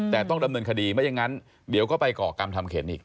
แต่ต้องดำเนินคดีไม่อย่างนั้นเดี๋ยวก็ไปก่อกรรมทำเข็นอีก